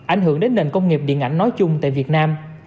ảnh hưởng đến nền công nghiệp điện ảnh nói chung tại việt nam